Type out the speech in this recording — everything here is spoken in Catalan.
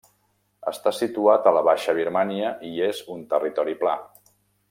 Està situat a la Baixa Birmània i és un territori pla.